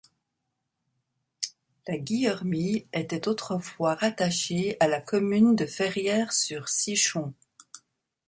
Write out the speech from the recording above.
La Guillermie était autrefois rattachée à la commune de Ferrières-sur-Sichon.